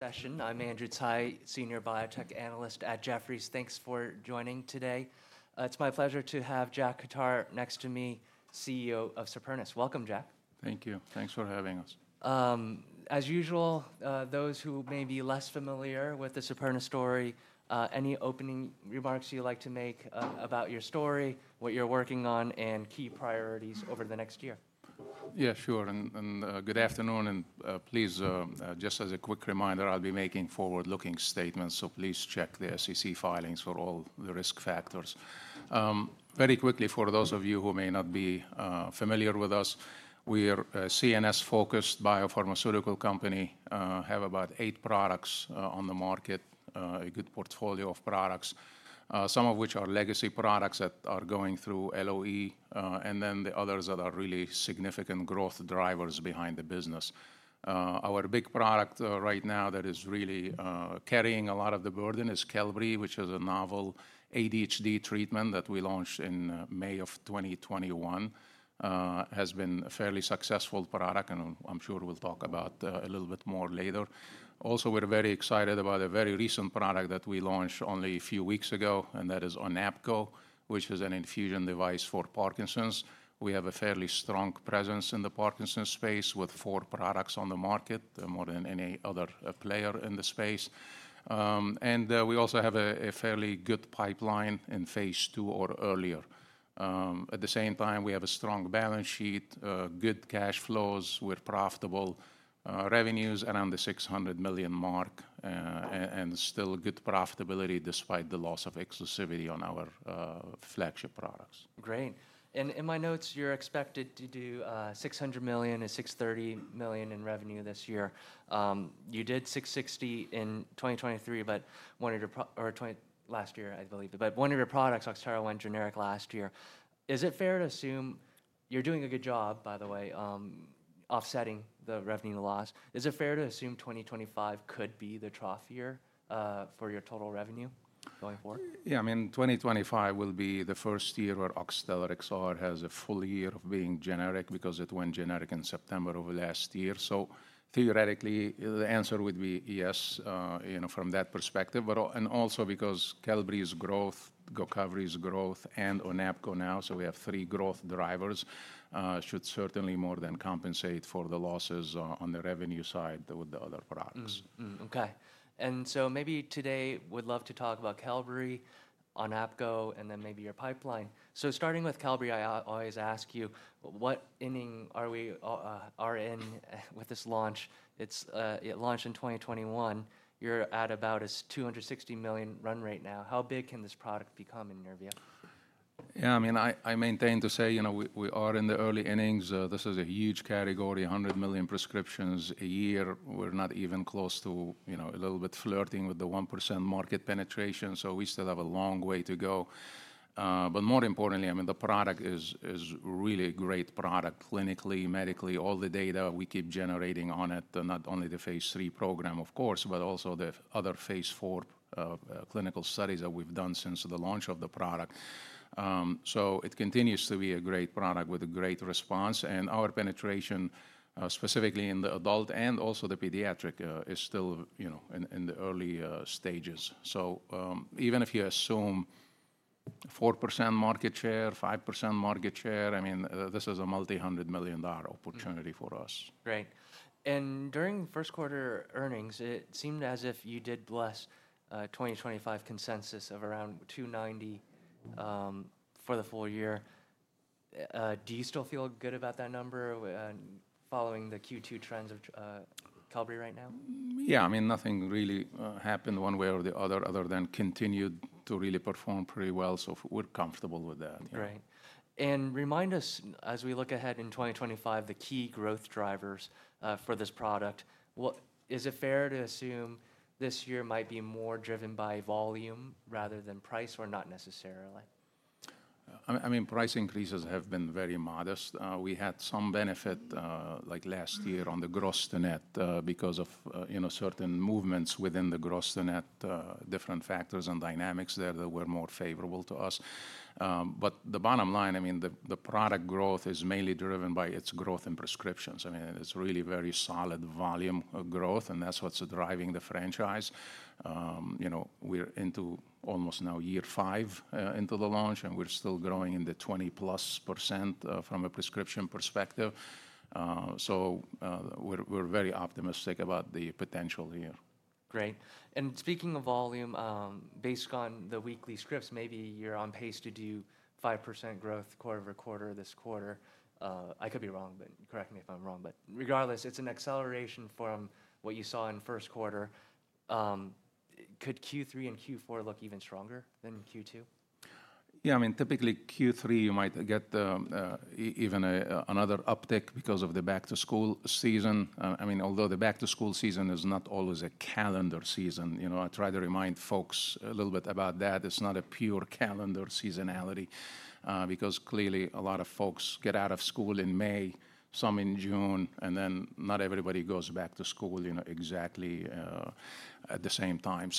Session. I'm Andrew Tsai, Senior Biotech Analyst at Jefferies. Thanks for joining today. It's my pleasure to have Jack Khattar next to me, CEO of Supernus. Welcome, Jack. Thank you. Thanks for having us. As usual, those who may be less familiar with the Supernus story, any opening remarks you'd like to make about your story, what you're working on, and key priorities over the next year? Yeah, sure. Good afternoon. Please, just as a quick reminder, I'll be making forward-looking statements, so please check the SEC filings for all the risk factors. Very quickly, for those of you who may not be familiar with us, we're a CNS-focused biopharmaceutical company. We have about eight products on the market, a good portfolio of products, some of which are legacy products that are going through LOE, and then the others that are really significant growth drivers behind the business. Our big product right now that is really carrying a lot of the burden is Qelbree, which is a novel ADHD treatment that we launched in May of 2021. It has been a fairly successful product, and I'm sure we'll talk about a little bit more later. Also, we're very excited about a very recent product that we launched only a few weeks ago, and that is ONAPGO, which is an infusion device for Parkinson's. We have a fairly strong presence in the Parkinson's space with four products on the market, more than any other player in the space. We also have a fairly good pipeline in phase II or earlier. At the same time, we have a strong balance sheet, good cash flows, with profitable revenues around the $600 million mark, and still good profitability despite the loss of exclusivity on our flagship products. Great. In my notes, you're expected to do $600 million and $630 million in revenue this year. You did $660 million in 2023, but one of your—or last year, I believe—but one of your products, Oxtellar XR, went generic last year. Is it fair to assume you're doing a good job, by the way, offsetting the revenue loss? Is it fair to assume 2025 could be the trough year for your total revenue going forward? Yeah, I mean, 2025 will be the first year where Oxtellar XR has a full year of being generic because it went generic in September of last year. Theoretically, the answer would be yes from that perspective. Also because Qelbree's growth, GOCOVRI's growth, and ONAPGO now, so we have three growth drivers, should certainly more than compensate for the losses on the revenue side with the other products. Okay. Maybe today we'd love to talk about Qelbree, ONAPGO, and then maybe your pipeline. Starting with Qelbree, I always ask you, what inning are we in with this launch? It launched in 2021. You're at about a $260 million run rate now. How big can this product become in your view? Yeah, I mean, I maintain to say we are in the early innings. This is a huge category, 100 million prescriptions a year. We're not even close to a little bit flirting with the 1% market penetration, so we still have a long way to go. More importantly, I mean, the product is really a great product clinically, medically, all the data we keep generating on it, not only the phase III program, of course, but also the other phase IV clinical studies that we've done since the launch of the product. It continues to be a great product with a great response. Our penetration, specifically in the adult and also the pediatric, is still in the early stages. Even if you assume 4% market share, 5% market share, I mean, this is a multi-hundred million dollar opportunity for us. Great. During first quarter earnings, it seemed as if you did bless 2025 consensus of around $290 million for the full year. Do you still feel good about that number following the Q2 trends of Qelbree right now? Yeah, I mean, nothing really happened one way or the other other than continued to really perform pretty well, so we're comfortable with that. Great. Remind us, as we look ahead in 2025, the key growth drivers for this product. Is it fair to assume this year might be more driven by volume rather than price, or not necessarily? I mean, price increases have been very modest. We had some benefit like last year on the gross to net because of certain movements within the gross to net, different factors and dynamics there that were more favorable to us. The bottom line, I mean, the product growth is mainly driven by its growth in prescriptions. I mean, it's really very solid volume growth, and that's what's driving the franchise. We're into almost now year five into the launch, and we're still growing in the 20+% from a prescription perspective. We are very optimistic about the potential here. Great. Speaking of volume, based on the weekly scripts, maybe you're on pace to do 5% growth quarter over quarter this quarter. I could be wrong, correct me if I'm wrong. Regardless, it's an acceleration from what you saw in the first quarter. Could Q3 and Q4 look even stronger than Q2? Yeah, I mean, typically Q3, you might get even another uptick because of the back-to-school season. I mean, although the back-to-school season is not always a calendar season, I try to remind folks a little bit about that. It's not a pure calendar seasonality because clearly a lot of folks get out of school in May, some in June, and then not everybody goes back to school exactly at the same time.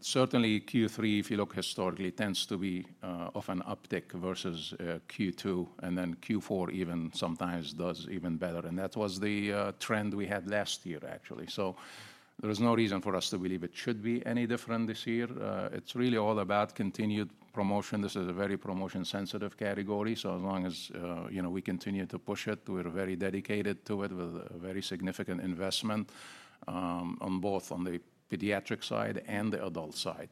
Certainly Q3, if you look historically, tends to be of an uptick versus Q2, and then Q4 even sometimes does even better. That was the trend we had last year, actually. There is no reason for us to believe it should be any different this year. It's really all about continued promotion. This is a very promotion-sensitive category. As long as we continue to push it, we're very dedicated to it with a very significant investment on both on the pediatric side and the adult side.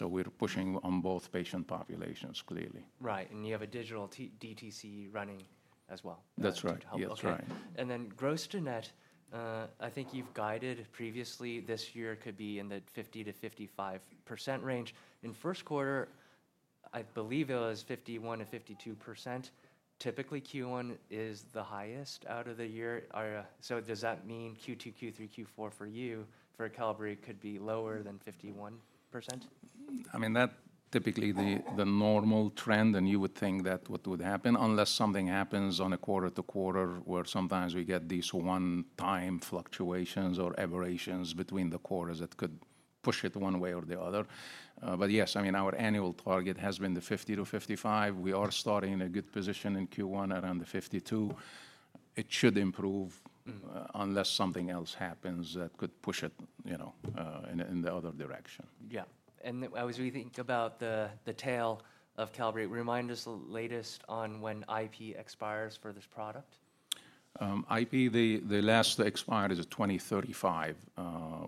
We're pushing on both patient populations clearly. Right. You have a digital DTC running as well. That's right. Okay. And then gross to net, I think you've guided previously this year could be in the 50-55% range. In first quarter, I believe it was 51-52%. Typically, Q1 is the highest out of the year. Does that mean Q2, Q3, Q4 for you, for Qelbree, could be lower than 51%? I mean, that's typically the normal trend, and you would think that what would happen, unless something happens on a quarter to quarter where sometimes we get these one-time fluctuations or aberrations between the quarters that could push it one way or the other. Yes, I mean, our annual target has been the $50-$55. We are starting in a good position in Q1 around the $52. It should improve unless something else happens that could push it in the other direction. Yeah. I was really thinking about the tail of Qelbree. Remind us the latest on when IP expires for this product. IP, the last expire is 2035.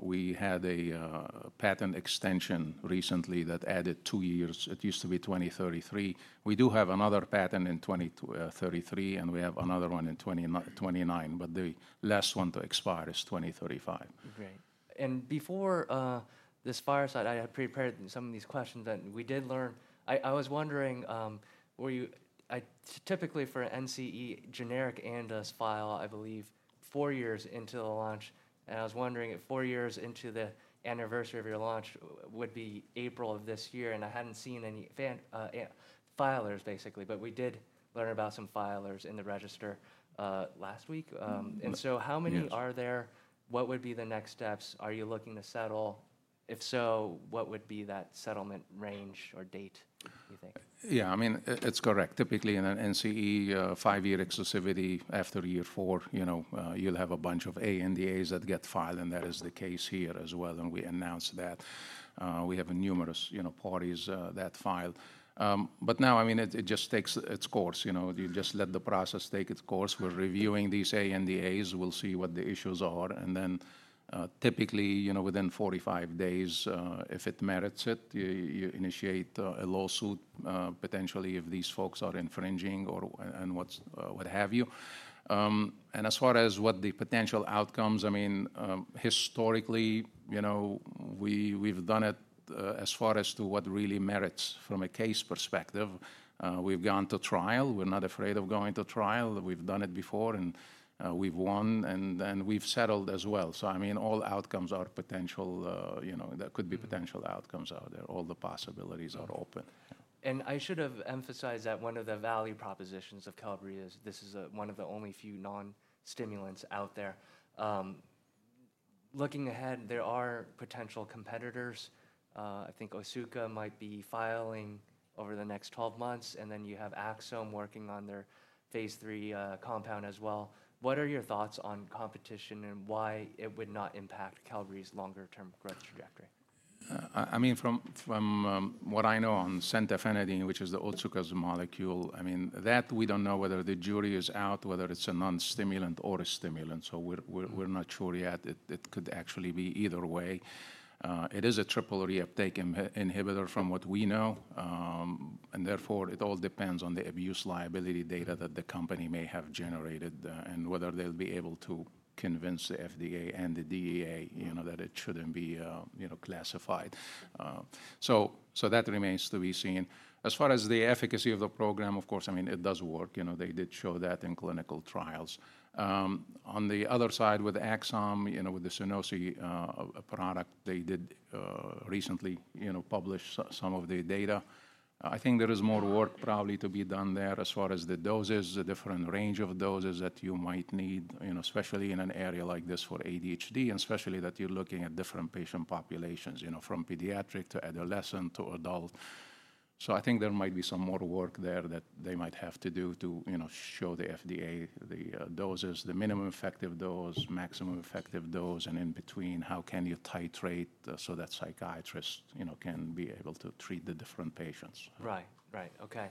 We had a patent extension recently that added two years. It used to be 2033. We do have another patent in 2033, and we have another one in 2029, but the last one to expire is 2035. Great. Before this fireside, I had prepared some of these questions that we did learn. I was wondering, typically for NCE generic and file, I believe, four years into the launch. I was wondering if four years into the anniversary of your launch would be April of this year. I had not seen any filers, basically, but we did learn about some filers in the register last week. How many are there? What would be the next steps? Are you looking to settle? If so, what would be that settlement range or date, do you think? Yeah, I mean, it's correct. Typically in an NCE, five-year exclusivity after year four, you'll have a bunch of ANDAs that get filed, and that is the case here as well. We announced that. We have numerous parties that filed. Now, I mean, it just takes its course. You just let the process take its course. We're reviewing these ANDAs. We'll see what the issues are. Typically within 45 days, if it merits it, you initiate a lawsuit potentially if these folks are infringing and what have you. As far as what the potential outcomes, I mean, historically, we've done it as far as to what really merits from a case perspective. We've gone to trial. We're not afraid of going to trial. We've done it before, and we've won, and we've settled as well. I mean, all outcomes are potential. There could be potential outcomes out there. All the possibilities are open. I should have emphasized that one of the value propositions of Qelbree is this is one of the only few non-stimulants out there. Looking ahead, there are potential competitors. I think Otsuka might be filing over the next 12 months, and then you have Axsome working on their phase III compound as well. What are your thoughts on competition and why it would not impact Qelbree's longer-term growth trajectory? I mean, from what I know on centanafadine, which is the Otsuka's molecule, I mean, we don't know whether the jury is out whether it's a non-stimulant or a stimulant. So we're not sure yet. It could actually be either way. It is a triple reuptake inhibitor from what we know. Therefore, it all depends on the abuse liability data that the company may have generated and whether they'll be able to convince the FDA and the DEA that it shouldn't be classified. That remains to be seen. As far as the efficacy of the program, of course, I mean, it does work. They did show that in clinical trials. On the other side with Axsome, with the SUNOSI product, they did recently publish some of the data. I think there is more work probably to be done there as far as the doses, the different range of doses that you might need, especially in an area like this for ADHD, and especially that you're looking at different patient populations from pediatric to adolescent to adult. I think there might be some more work there that they might have to do to show the FDA the doses, the minimum effective dose, maximum effective dose, and in between, how can you titrate so that psychiatrists can be able to treat the different patients. Right. Right. Okay.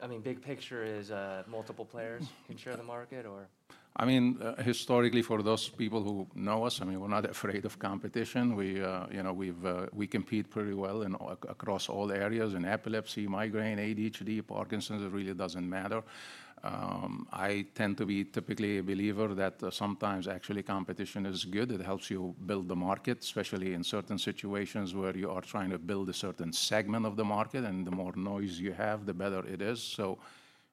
I mean, big picture is multiple players can share the market, or? I mean, historically, for those people who know us, I mean, we're not afraid of competition. We compete pretty well across all areas in epilepsy, migraine, ADHD, Parkinson's. It really doesn't matter. I tend to be typically a believer that sometimes actually competition is good. It helps you build the market, especially in certain situations where you are trying to build a certain segment of the market, and the more noise you have, the better it is.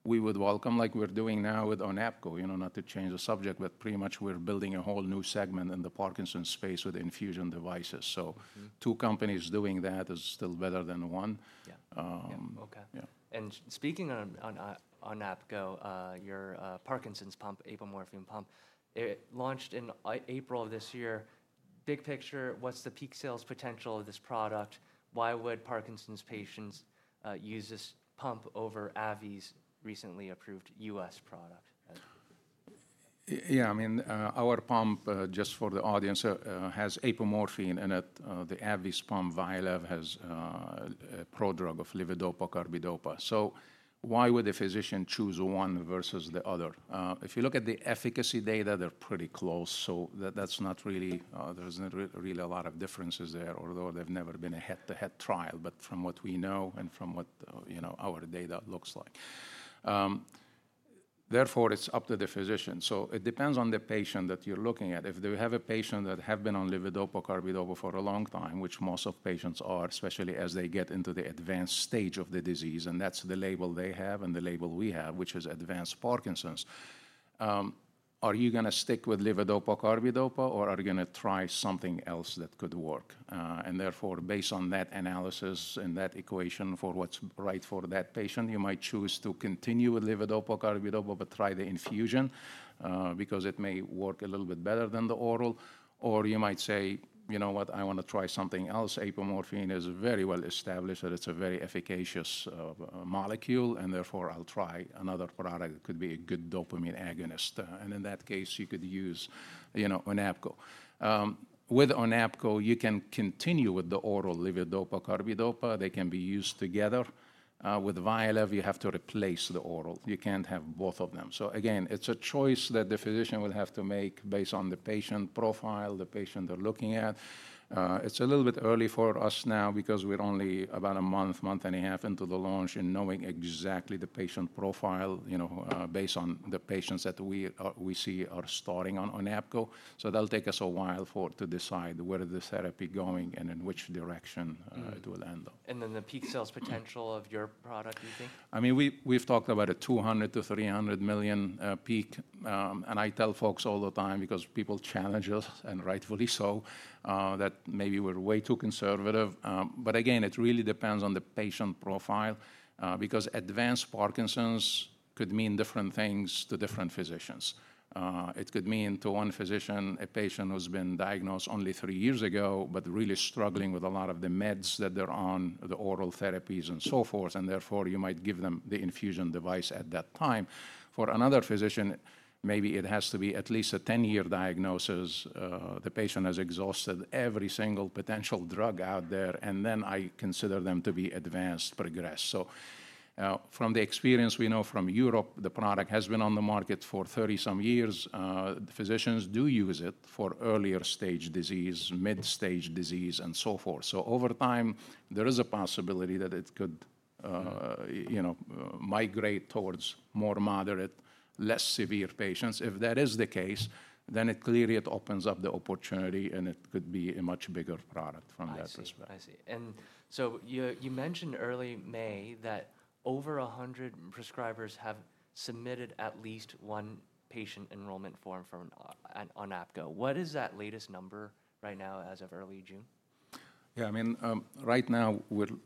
We would welcome, like we're doing now with ONAPGO, not to change the subject, but pretty much we're building a whole new segment in the Parkinson's space with infusion devices. Two companies doing that is still better than one. Okay. Speaking on ONAPGO, your Parkinson's pump, apomorphine pump, it launched in April of this year. Big picture, what's the peak sales potential of this product? Why would Parkinson's patients use this pump over AbbVie's recently approved U.S. product? Yeah, I mean, our pump, just for the audience, has apomorphine in it. The AbbVie's pump, VYALEV, has a prodrug of levodopa carbidopa. Why would a physician choose one versus the other? If you look at the efficacy data, they're pretty close. That's not really, there's not really a lot of differences there, although there's never been a head-to-head trial, but from what we know and from what our data looks like. Therefore, it's up to the physician. It depends on the patient that you're looking at. If they have a patient that has been on levodopa carbidopa for a long time, which most of patients are, especially as they get into the advanced stage of the disease, and that's the label they have and the label we have, which is advanced Parkinson's, are you going to stick with levodopa carbidopa or are you going to try something else that could work? Therefore, based on that analysis and that equation for what's right for that patient, you might choose to continue with levodopa carbidopa but try the infusion because it may work a little bit better than the oral. You might say, you know what, I want to try something else. Apomorphine is very well established that it's a very efficacious molecule, and therefore I'll try another product that could be a good dopamine agonist. In that case, you could use ONAPGO. With ONAPGO, you can continue with the oral levodopa carbidopa. They can be used together. With Vyalev, you have to replace the oral. You can't have both of them. Again, it's a choice that the physician would have to make based on the patient profile, the patient they're looking at. It's a little bit early for us now because we're only about a month, month and a half into the launch and knowing exactly the patient profile based on the patients that we see are starting on ONAPGO. That'll take us a while to decide where the therapy is going and in which direction it will end up. The peak sales potential of your product, do you think? I mean, we've talked about a $200 million to $300 million peak. I tell folks all the time because people challenge us, and rightfully so, that maybe we're way too conservative. Again, it really depends on the patient profile because advanced Parkinson's could mean different things to different physicians. It could mean to one physician a patient who's been diagnosed only three years ago but really struggling with a lot of the meds that they're on, the oral therapies, and so forth. Therefore, you might give them the infusion device at that time. For another physician, maybe it has to be at least a 10-year diagnosis. The patient has exhausted every single potential drug out there, and then I consider them to be advanced, progressed. From the experience we know from Europe, the product has been on the market for 30 some years. Physicians do use it for earlier stage disease, mid-stage disease, and so forth. Over time, there is a possibility that it could migrate towards more moderate, less severe patients. If that is the case, then it clearly opens up the opportunity, and it could be a much bigger product from that perspective. I see. You mentioned early May that over 100 prescribers have submitted at least one patient enrollment form for ONAPGO. What is that latest number right now as of early June? Yeah, I mean, right now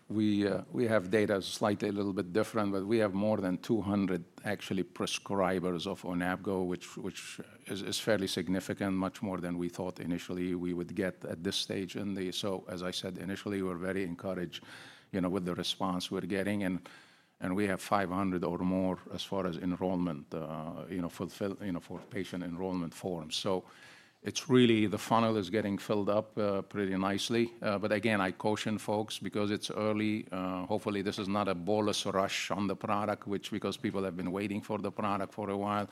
we have data slightly a little bit different, but we have more than 200 actually prescribers of ONAPGO, which is fairly significant, much more than we thought initially we would get at this stage. As I said initially, we're very encouraged with the response we're getting. We have 500 or more as far as enrollment for patient enrollment forms. The funnel is getting filled up pretty nicely. Again, I caution folks because it's early. Hopefully, this is not a bolus rush on the product, which is because people have been waiting for the product for a while.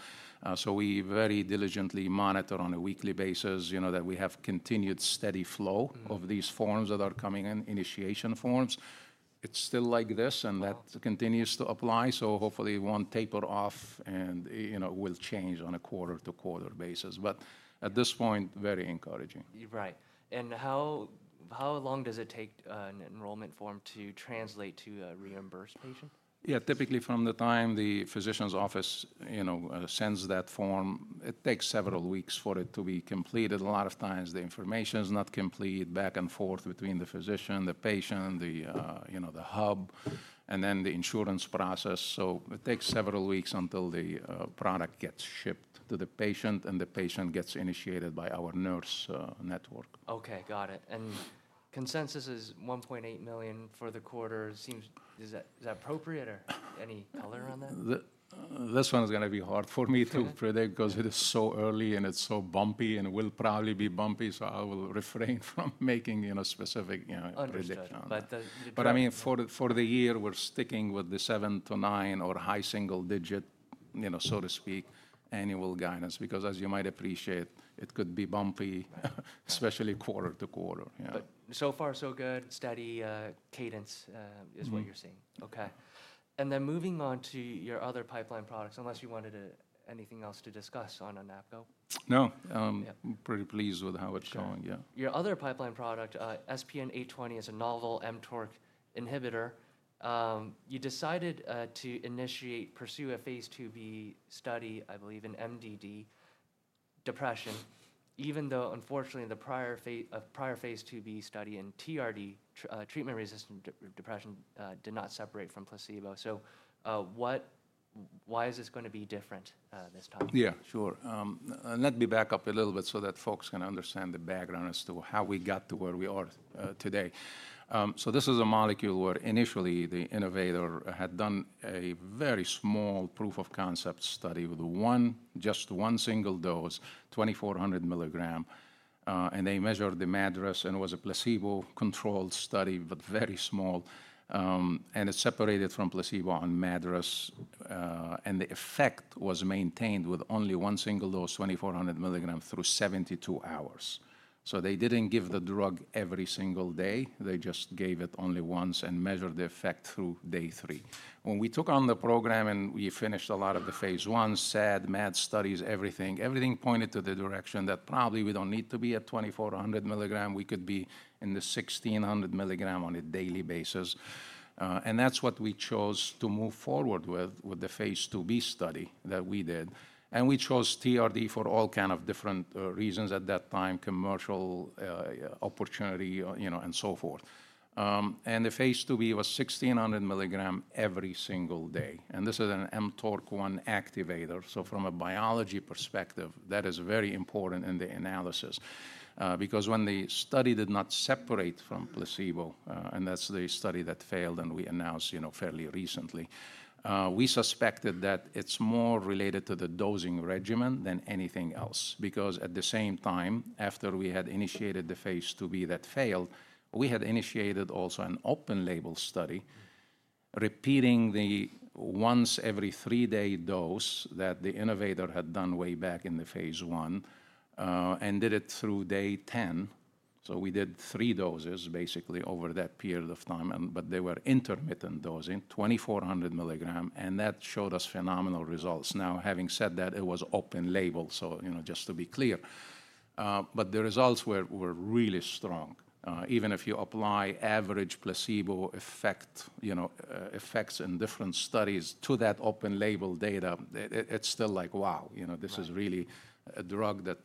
We very diligently monitor on a weekly basis that we have continued steady flow of these forms that are coming in, initiation forms. It's still like this, and that continues to apply. Hopefully one taper off, and we'll change on a quarter to quarter basis. At this point, very encouraging. Right. How long does it take an enrollment form to translate to a reimbursed patient? Yeah, typically from the time the physician's office sends that form, it takes several weeks for it to be completed. A lot of times the information is not complete back and forth between the physician, the patient, the hub, and then the insurance process. It takes several weeks until the product gets shipped to the patient, and the patient gets initiated by our nurse network. Okay, got it. Consensus is $1.8 million for the quarter. Is that appropriate or any color on that? This one is going to be hard for me to predict because it is so early and it's so bumpy and will probably be bumpy. I will refrain from making a specific prediction. Understood. I mean, for the year, we're sticking with the 7-9% or high single digit, so to speak, annual guidance because as you might appreciate, it could be bumpy, especially quarter to quarter. So far, so good. Steady cadence is what you're seeing. Okay. And then moving on to your other pipeline products, unless you wanted anything else to discuss on ONAPGO. No. I'm pretty pleased with how it's going. Yeah. Your other pipeline product, SPN-820, is a novel mTORC1 inhibitor. You decided to initiate, pursue a phase II-B study, I believe, in MDD depression, even though unfortunately the prior phase II-B study in TRD, treatment-resistant depression, did not separate from placebo. Why is this going to be different this time? Yeah, sure. Let me back up a little bit so that folks can understand the background as to how we got to where we are today. This is a molecule where initially the innovator had done a very small proof of concept study with just one single dose, 2,400 mg. They measured the MADRS, and it was a placebo-controlled study, but very small. It separated from placebo on MADRS. The effect was maintained with only one single dose, 2,400 mg, through 72 hours. They did not give the drug every single day. They just gave it only once and measured the effect through day three. When we took on the program and we finished a lot of the phase I, SAD, MAD studies, everything pointed to the direction that probably we do not need to be at 2,400 mg. We could be in the 1,600 mg on a daily basis. That is what we chose to move forward with, with the phase II-B study that we did. We chose TRD for all kinds of different reasons at that time, commercial opportunity, and so forth. The phase II-B was 1,600 mg every single day. This is an mTORC1 activator. From a biology perspective, that is very important in the analysis because when the study did not separate from placebo, and that's the study that failed and we announced fairly recently, we suspected that it's more related to the dosing regimen than anything else because at the same time, after we had initiated the phase II-B that failed, we had initiated also an open label study repeating the once every three-day dose that the innovator had done way back in the phase I and did it through day 10. We did three doses basically over that period of time, but they were intermittent dosing, 2400 mg, and that showed us phenomenal results. Now, having said that, it was open label, just to be clear. The results were really strong. Even if you apply average placebo effects in different studies to that open label data, it's still like, wow, this is really a drug that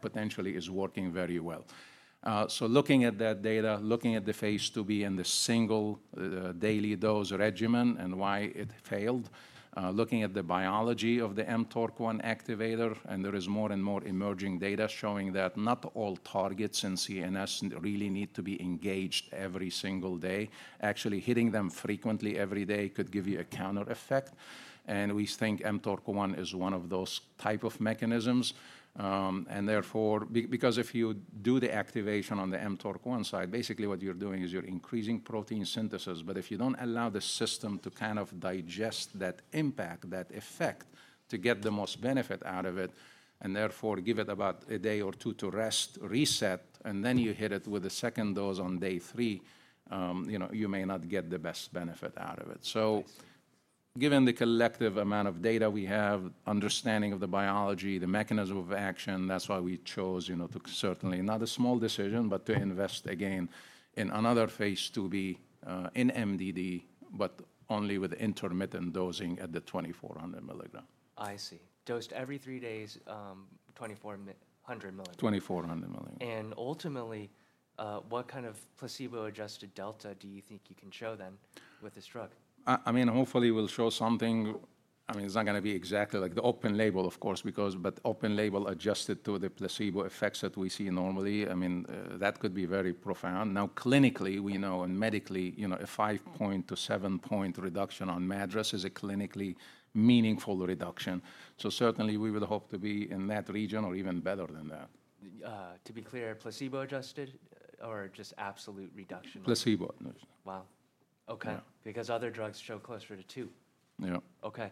potentially is working very well. Looking at that data, looking at the phase II-B and the single daily dose regimen and why it failed, looking at the biology of the mTORC1 activator, and there is more and more emerging data showing that not all targets in CNS really need to be engaged every single day. Actually hitting them frequently every day could give you a counter effect. We think mTORC1 is one of those type of mechanisms. Therefore, because if you do the activation on the mTORC1 side, basically what you're doing is you're increasing protein synthesis. If you do not allow the system to kind of digest that impact, that effect to get the most benefit out of it, and therefore give it about a day or two to rest, reset, and then you hit it with a second dose on day three, you may not get the best benefit out of it. Given the collective amount of data we have, understanding of the biology, the mechanism of action, that is why we chose to, certainly not a small decision, but to invest again in another phase II-B in MDD, but only with intermittent dosing at the 2400 mg. I see. Dosed every three days, 2,400 mg. 2400 mg. Ultimately, what kind of placebo-adjusted delta do you think you can show then with this drug? I mean, hopefully we'll show something. I mean, it's not going to be exactly like the open label, of course, because open label adjusted to the placebo effects that we see normally, I mean, that could be very profound. Now, clinically we know and medically, a five-point to seven-point reduction on MADRS is a clinically meaningful reduction. So certainly we would hope to be in that region or even better than that. To be clear, placebo-adjusted or just absolute reduction? Placebo-adjusted. Wow. Okay. Because other drugs show closer to two. Yeah. Okay.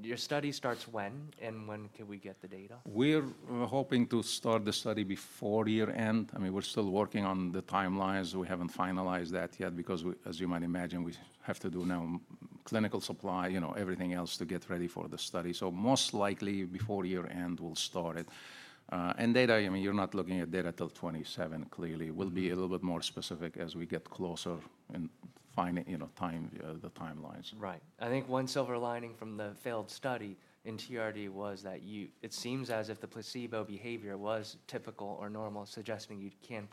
Your study starts when and when can we get the data? We're hoping to start the study before year-end. I mean, we're still working on the timelines. We haven't finalized that yet because, as you might imagine, we have to do now clinical supply, everything else to get ready for the study. Most likely before year-end, we'll start it. Data, I mean, you're not looking at data till 2027, clearly. We'll be a little bit more specific as we get closer and find the timelines. Right. I think one silver lining from the failed study in TRD was that it seems as if the placebo behavior was typical or normal, suggesting you can't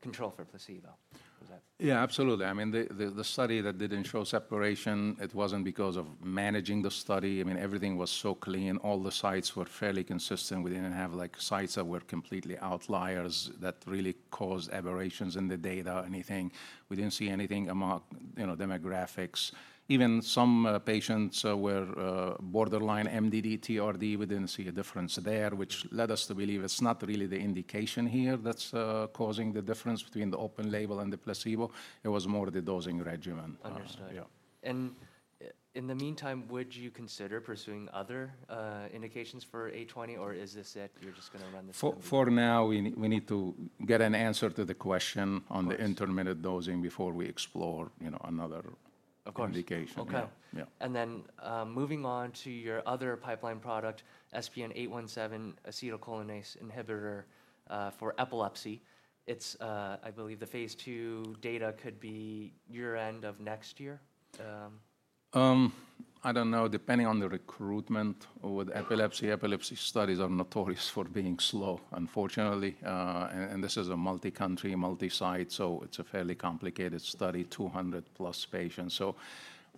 control for placebo. Yeah, absolutely. I mean, the study that did not show separation, it was not because of managing the study. I mean, everything was so clean. All the sites were fairly consistent. We did not have sites that were completely outliers that really caused aberrations in the data or anything. We did not see anything among demographics. Even some patients were borderline MDD, TRD. We did not see a difference there, which led us to believe it is not really the indication here that is causing the difference between the open label and the placebo. It was more the dosing regimen. Understood. In the meantime, would you consider pursuing other indications for 820, or is this it? You're just going to run this? For now, we need to get an answer to the question on the intermittent dosing before we explore another indication. Of course. Okay. Moving on to your other pipeline product, SPN-817, acetylcholinesterase inhibitor for epilepsy. I believe the phase II data could be year-end of next year. I don't know. Depending on the recruitment with epilepsy, epilepsy studies are notorious for being slow, unfortunately. This is a multi-country, multi-site, so it's a fairly complicated study, 200-plus patients.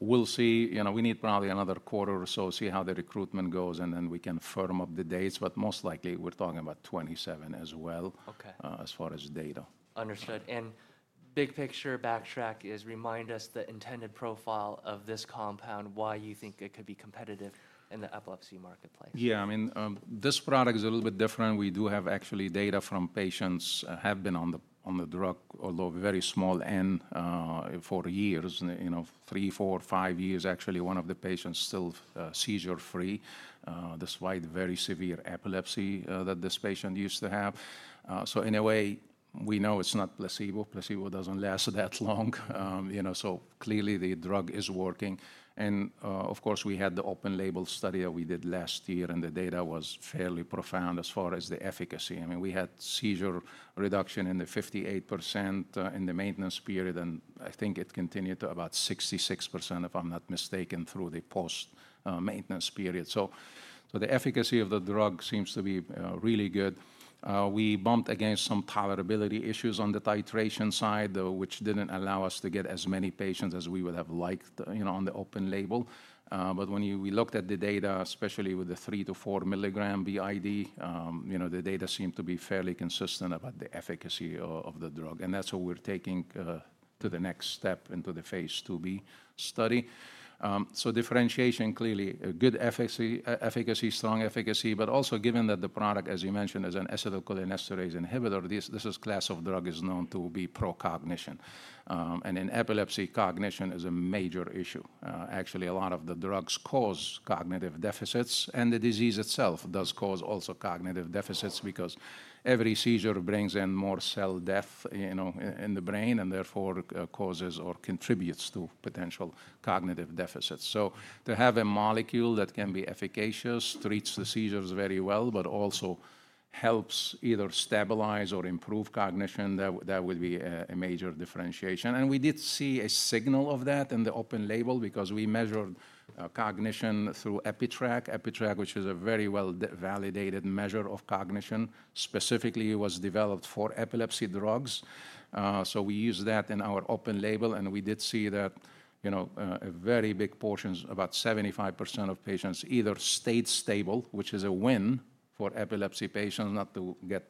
We'll see. We need probably another quarter or so to see how the recruitment goes, and then we can firm up the dates. Most likely we're talking about 2027 as well as far as data. Understood. Big picture, backtrack is remind us the intended profile of this compound, why you think it could be competitive in the epilepsy marketplace. Yeah, I mean, this product is a little bit different. We do have actually data from patients who have been on the drug, although very small N, for years, three, four, five years. Actually, one of the patients is still seizure-free, despite very severe epilepsy that this patient used to have. So in a way, we know it's not placebo. Placebo does not last that long. Clearly the drug is working. Of course, we had the open label study that we did last year, and the data was fairly profound as far as the efficacy. I mean, we had seizure reduction in the 58% in the maintenance period, and I think it continued to about 66%, if I'm not mistaken, through the post-maintenance period. The efficacy of the drug seems to be really good. We bumped against some tolerability issues on the titration side, which did not allow us to get as many patients as we would have liked on the open label. When we looked at the data, especially with the 3-4 mg b.i.d., the data seemed to be fairly consistent about the efficacy of the drug. That is what we are taking to the next step into the phase II-B study. Differentiation, clearly good efficacy, strong efficacy, but also given that the product, as you mentioned, is an acetylcholinesterase inhibitor, this class of drug is known to be pro-cognition. In epilepsy, cognition is a major issue. Actually, a lot of the drugs cause cognitive deficits, and the disease itself does cause also cognitive deficits because every seizure brings in more cell death in the brain and therefore causes or contributes to potential cognitive deficits. To have a molecule that can be efficacious, treats the seizures very well, but also helps either stabilize or improve cognition, that would be a major differentiation. We did see a signal of that in the open label because we measured cognition through EpiTrack, which is a very well-validated measure of cognition. Specifically, it was developed for epilepsy drugs. We used that in our open label, and we did see that a very big portion, about 75% of patients, either stayed stable, which is a win for epilepsy patients, not to get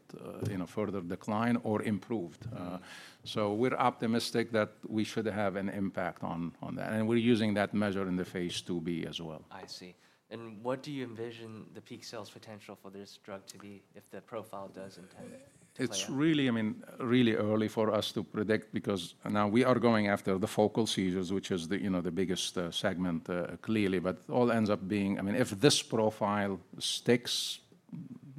further decline, or improved. We are optimistic that we should have an impact on that. We are using that measure in the phase II-B as well. I see. What do you envision the peak sales potential for this drug to be if the profile does intend it? It's really, I mean, really early for us to predict because now we are going after the focal seizures, which is the biggest segment clearly, but it all ends up being, I mean, if this profile sticks,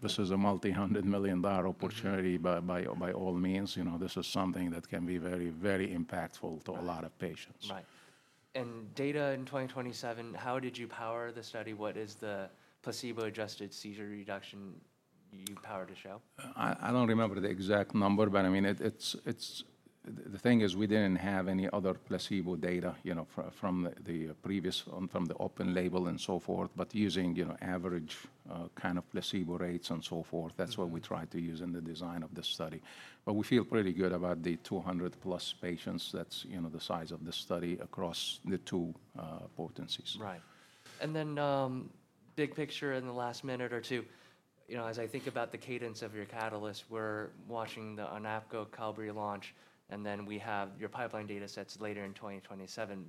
this is a multi-hundred million dollar opportunity by all means. This is something that can be very, very impactful to a lot of patients. Right. Data in 2027, how did you power the study? What is the placebo-adjusted seizure reduction you powered to show? I don't remember the exact number, but I mean, the thing is we didn't have any other placebo data from the previous one, from the open label and so forth, but using average kind of placebo rates and so forth. That's what we tried to use in the design of the study. We feel pretty good about the 200-plus patients. That's the size of the study across the two potencies. Right. In the last minute or two, as I think about the cadence of your catalyst, we're watching the ONAPGO Qelbree launch, and then we have your pipeline data sets later in 2027,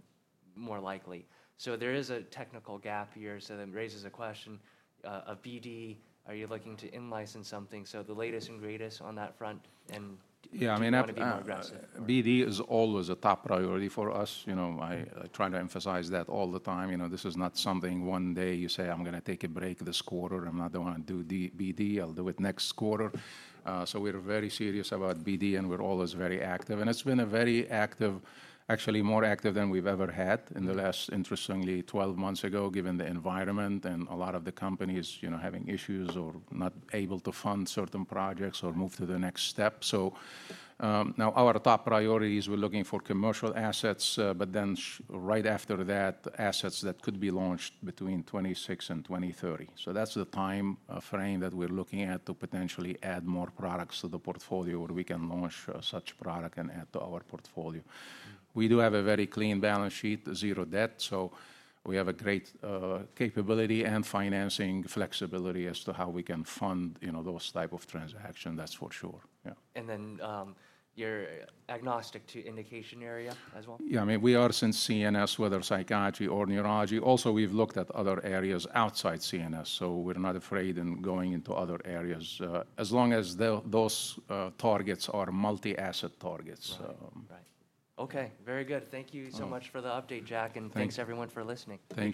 more likely. There is a technical gap here, which raises a question. A BD, are you looking to in-license something? The latest and greatest on that front and want to be more aggressive. Yeah, I mean, BD is always a top priority for us. I try to emphasize that all the time. This is not something one day you say, "I'm going to take a break this quarter. I'm not going to do BD. I'll do it next quarter." We are very serious about BD, and we're always very active. It's been a very active, actually more active than we've ever had in the last, interestingly, 12 months ago, given the environment and a lot of the companies having issues or not able to fund certain projects or move to the next step. Now our top priorities, we're looking for commercial assets, but then right after that, assets that could be launched between 2026 and 2030. That's the time frame that we're looking at to potentially add more products to the portfolio where we can launch such product and add to our portfolio. We do have a very clean balance sheet, zero debt. We have a great capability and financing flexibility as to how we can fund those types of transactions, that's for sure. You're agnostic to indication area as well? Yeah, I mean, we are since CNS, whether psychiatry or neurology. Also, we've looked at other areas outside CNS, so we're not afraid in going into other areas as long as those targets are multi-asset targets. Right. Okay. Very good. Thank you so much for the update, Jack, and thanks everyone for listening. Thank you.